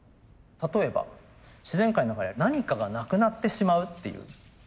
例えば自然界の中で何かがなくなってしまうっていうケースがあります。